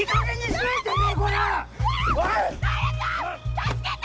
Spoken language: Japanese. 助けて！